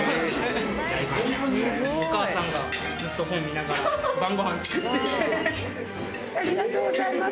お母さんが本当、本見ながら、晩ごはん作ってます。